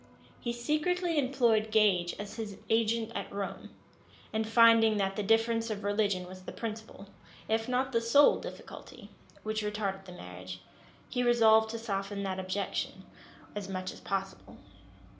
He secretly employed Gage as his agent at Rome, and finding that the difference of religion was the principal, if not the sole difficulty, which retarded the marriage, he resolved to soften that objection as much as possible.